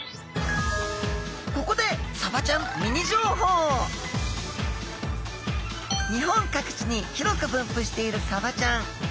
ここで日本各地に広く分布しているサバちゃん。